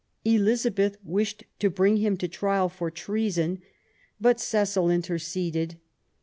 Elizabeth wished to bring him to trial for treason, but Cecil interceded.